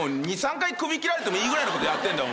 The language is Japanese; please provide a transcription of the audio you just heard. ２３回首切られてもいいぐらいのことやってんだよ。